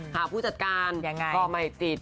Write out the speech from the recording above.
หาผู้จัดการก็ไม่ติด